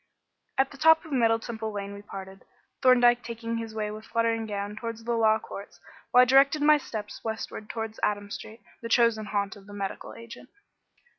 At the top of Middle Temple Lane we parted, Thorndyke taking his way with fluttering gown towards the Law Courts, while I directed my steps westward towards Adam Street, the chosen haunt of the medical agent.